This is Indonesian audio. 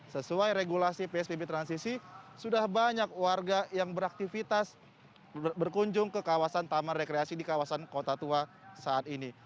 sesuai regulasi psbb transisi sudah banyak warga yang beraktivitas berkunjung ke kawasan taman rekreasi di kawasan kota tua saat ini